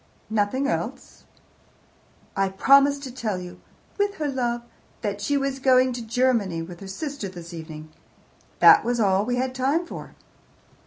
"Nothing else?" "I promised to tell you, 'with her love,' that she was going to Germany with her sister this evening. That was all we had time for."